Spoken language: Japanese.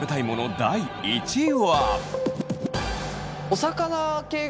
第１位は。